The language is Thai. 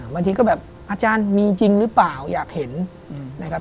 บางทีก็แบบอาจารย์มีจริงหรือเปล่าอยากเห็นนะครับ